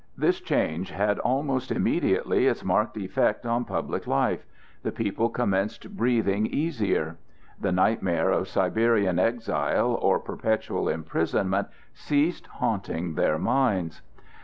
This change had almost immediately its marked effect on public life; the people commenced breathing easier. The nightmare of Siberian exile or perpetual imprisonment ceased haunting their minds.